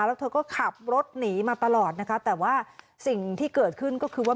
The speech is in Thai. แล้วเธอก็ขับรถหนีมาตลอดนะคะแต่ว่าสิ่งที่เกิดขึ้นก็คือว่า